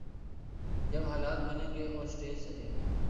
جب حالات بنیں گے اور سٹیج سجے گا۔